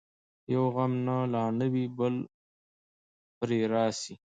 یو غم نه لا نه وي چي بل پر راسي